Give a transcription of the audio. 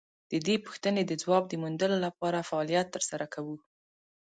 د دې پوښتنې د ځواب د موندلو لپاره فعالیت تر سره کوو.